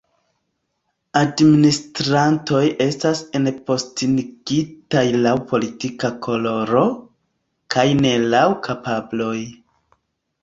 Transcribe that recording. Administrantoj estas enpostenigitaj laŭ politika koloro, kaj ne laŭ kapabloj.